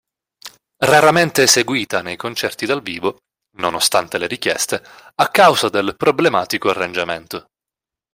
Raramente eseguita nei concerti dal vivo, nonostante le richieste, a causa del problematico arrangiamento.